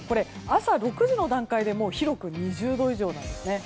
朝６時の段階でもう広く２０度以上なんですね。